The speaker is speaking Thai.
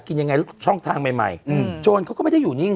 กินยังไงช่องทางใหม่ใหม่โจรเขาก็ไม่ได้อยู่นิ่ง